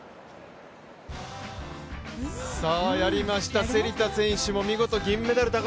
やりました、芹田選手も見事、銀メダル。